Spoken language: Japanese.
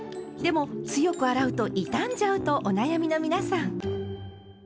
でも強く洗うと傷んじゃうとお悩みの皆さん。